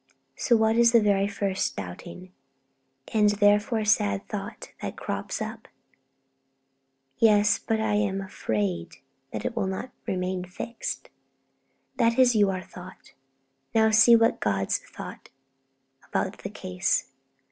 So what is the very first doubting, and therefore sad thought that crops up? 'Yes, but I am afraid it will not remain fixed.' That is your thought. Now see what is God's thought about the case.